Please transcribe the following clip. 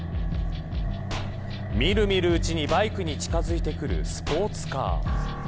みるみるうちにバイクに近づいてくるスポーツカー。